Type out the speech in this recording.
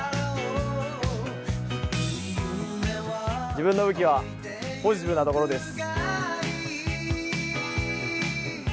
自分の武器はポジティブなところです。